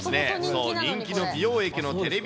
そう、人気の美容液のテレビ